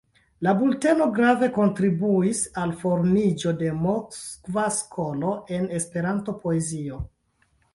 La bulteno grave kontribuis al formiĝo de Moskva skolo en Esperanto-poezio.